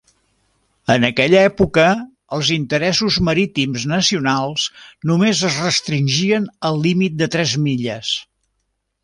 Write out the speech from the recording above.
En aquella època, els interessos marítims nacionals només es restringien al límit de tres milles.